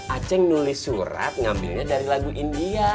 aceh nulis surat ngambilnya dari lagu india